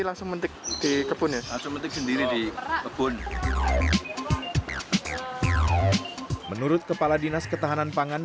langsung mentik di kebunnya sementara sendiri di kebun menurut kepala dinas ketahanan pangan